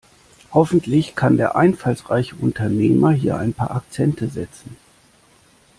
Hoffentlich kann der einfallsreiche Unternehmer hier ein paar Akzente setzen.